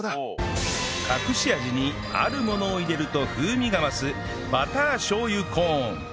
隠し味にあるものを入れると風味が増すバターしょう油コーン